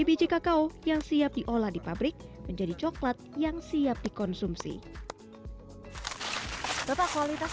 biji kakao yang siap diolah di pabrik menjadi coklat yang siap dikonsumsi total kualitas